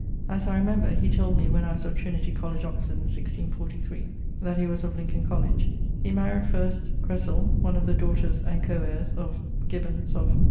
As I remember he told me when I was of Trin. Coll. Oxon, 1643, that he was of Lincoln college. He maried first, Gresill, one of the daughters and co heires of ... Gibbons, of